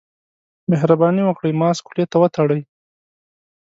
مهرباني وکړئ، ماسک خولې ته وتړئ.